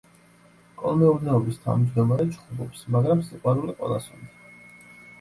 კოლმეურნეობის თავმჯდომარე ჩხუბობს, მაგრამ სიყვარული ყველას უნდა.